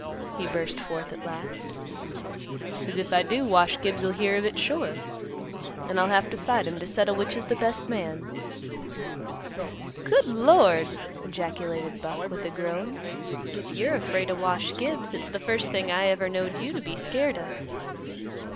he burst forth at last. "'Cause if I do Wash Gibbs'll hear of it sure, and I'll have to fight him to settle which is th' best man." "Good Lord!" ejaculated Buck, with a groan. "If you're afraid o' Wash Gibbs, it's th' first thing I ever knowed you t' be scared o'."